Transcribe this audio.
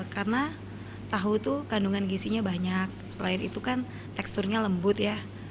karena tahu itu kandungan gisinya banyak selain itu kan teksturnya lembut ya